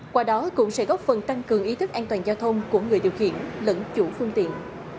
qua đó cũng sẽ góp phần tăng cường ý thức an toàn giao thông của người điều khiển lẫn chủ phương tiện